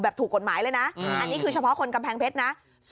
ถูกกฎหมายเลยนะอันนี้คือเฉพาะคนกำแพงเพชรนะ